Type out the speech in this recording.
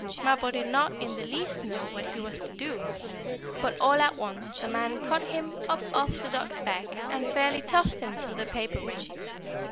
Mappo did not in the least know what he was to do, but, all at once, the man caught him up off the dog's back, and fairly tossed him through the paper ring.